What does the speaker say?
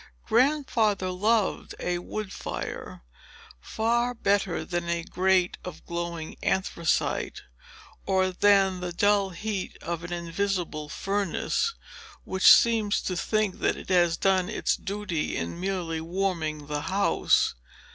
Grandfather loved a wood fire, far better than a grate of glowing anthracite, or than the dull heat of an invisible furnace, which seems to think that it has done its duty in merely warming the house.